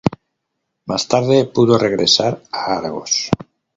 Más tarde pudo regresar a Argos.